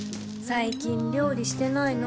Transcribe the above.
最近料理してないの？